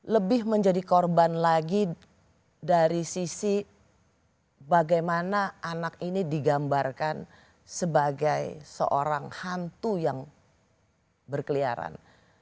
lebih menjadi korban lagi dari sisi bagaimana anak ini digambarkan sebagai seorang hantu yang berkeliaran